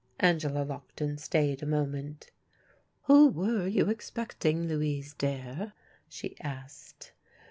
Angela Lockton stayed a moment. "Who were you expecting, Louise, dear?" she asked.